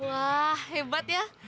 wah hebat ya